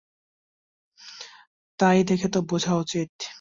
তাই দেখে তো বোঝা উচিত।